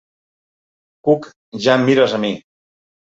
Cook ja em mires a mi.